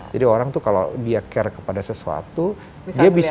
orang tuh kalau dia care kepada sesuatu dia bisa